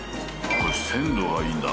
これ鮮度がいいんだ